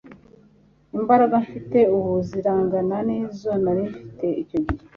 imbaraga mfite ubu zirangana n'izo nari mfite icyo gihe